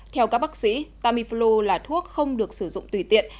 theo các bác sĩ tamiflu là thuốc không được sử dụng tùy tiện